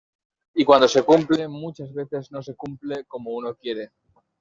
Y cuando se cumple, muchas veces no se cumple como uno quiere.